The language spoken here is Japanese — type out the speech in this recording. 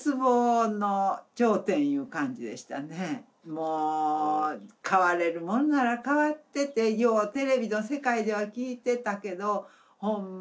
もう「代われるもんなら代わって」ってようテレビの世界では聞いてたけどほんまにそれは思いますねやっぱり。